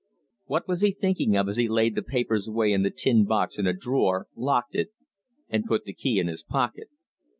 What was he thinking of as he laid the papers away in the tin box in a drawer, locked it, and put the key in his pocket?